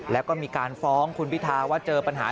แล้วก็มีการฟ้องคุณพิทาว่าเจอปัญหา